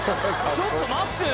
ちょっと待ってよ